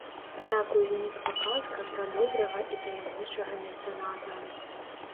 Так узнікла казка пра добрага і таямнічага мецэната.